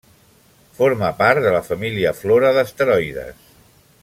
Forma part de la família Flora d'asteroides.